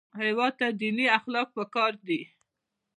هېواد ته دیني اخلاق پکار دي